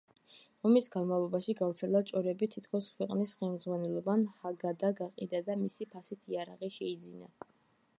ომის განმავლობაში გავრცელდა ჭორები, თითქოს ქვეყნის ხელმძღვანელობამ ჰაგადა გაყიდა და მისი ფასით იარაღი შეიძინა.